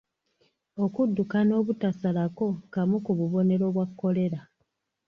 Okuddukana obutasalako kamu ku bubonero bwa Kkolera.